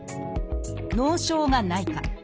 脳症がないか。